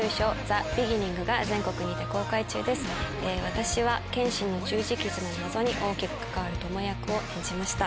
私は剣心の十字傷の謎に大きく関わる巴役を演じました。